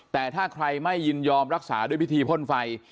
แต่ถ้าใครไม่ยินยอมรักษาด้วยพิธีพ่นไฟ